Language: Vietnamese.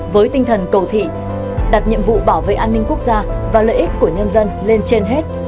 với tinh thần cầu thị đặt nhiệm vụ bảo vệ an ninh quốc gia và lợi ích của nhân dân lên trên hết